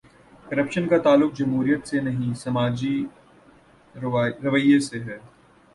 Corruption کا تعلق جمہوریت سے نہیں، سماجی رویے سے ہے۔